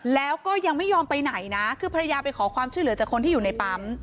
แล้วก็ยังไม่ยอมไปไหนนะคือภรรยาไปขอความช่วยเหลือจากคนที่อยู่ในปั๊ม